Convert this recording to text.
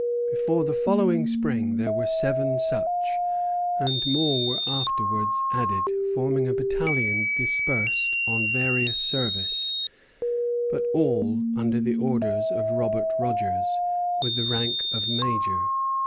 Before the following spring there were seven such; and more were afterwards added, forming a battalion dispersed on various service, but all under the orders of Robert Rogers, with the rank of major.